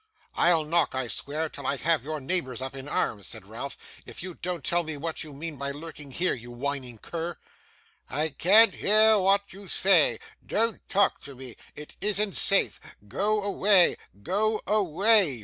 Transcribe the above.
'I'll knock, I swear, till I have your neighbours up in arms,' said Ralph, 'if you don't tell me what you mean by lurking there, you whining cur.' 'I can't hear what you say don't talk to me it isn't safe go away go away!